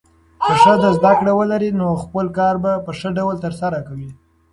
که ښځه زده کړه ولري، نو خپل کار په ښه ډول ترسره کوي.